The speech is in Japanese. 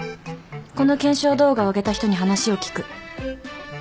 この検証動画を上げた人に話を聞く。